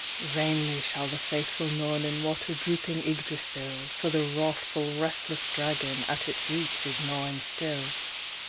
"Vainly shall the faithful Nornen Water drooping Yggdrasill, For the wrathful, restless dragon At its roots is gnawing still.